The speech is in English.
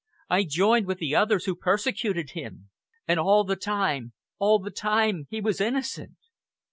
I joined with the others who persecuted him. And all the time all the time he was innocent!"